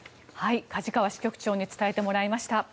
梶川支局長に伝えてもらいました。